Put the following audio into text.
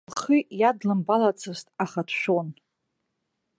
Лхы иадлымбалацызт, аха дшәон.